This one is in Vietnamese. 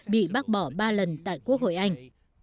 bị bác bỏ ba lần tại quốc hội anh